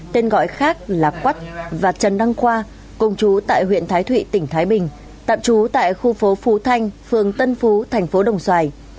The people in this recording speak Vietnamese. tên gọi khác là quách và trần đăng khoa công chú tại huyện thái thụy tỉnh thái bình tạm trú tại khu phố phú thanh phường tân phú thành phố đồng xoài